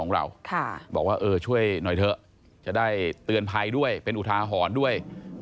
แล้วใหญ่อยู่ด้วย